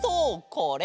これ。